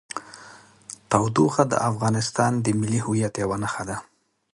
تودوخه د افغانستان د ملي هویت یوه نښه ده.